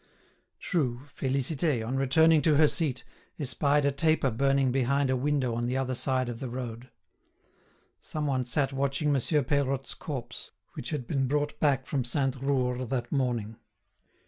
True, Félicité, on returning to her seat, espied a taper burning behind a window on the other side of the road. Some one sat watching Monsieur Peirotte's corpse, which had been brought back from Sainte Roure that morning.